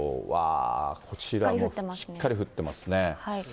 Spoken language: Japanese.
わー、こちらもしっかり降ってますね。